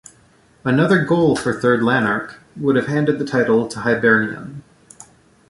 Another goal for Third Lanark would have handed the title to Hibernian.